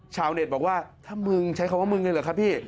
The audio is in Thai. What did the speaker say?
ชาวเน็ตบอกว่าถ้ามึงใช้คำว่ามึงเลยเหรอครับพี่